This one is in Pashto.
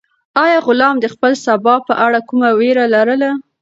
آیا غلام د خپل سبا په اړه کومه وېره لرله؟